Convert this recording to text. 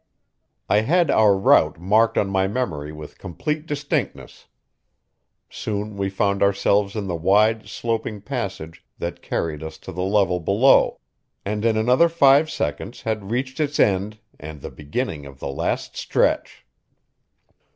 I had our route marked on my memory with complete distinctness. Soon we found ourselves in the wide, sloping passage that carried us to the level below, and in another five seconds had reached its end and the beginning of the last stretch.